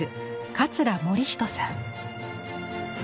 桂盛仁さん。